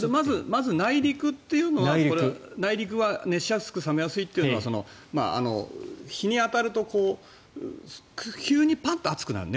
まず、内陸っていうのは熱しやすく冷めやすいというのは日に当たると急にパンと熱くなる。